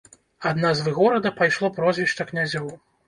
Ад назвы горада пайшло прозвішча князёў.